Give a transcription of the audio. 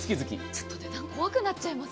ちょっと値段怖くなっちゃいます。